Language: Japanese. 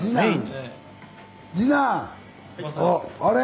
あれ？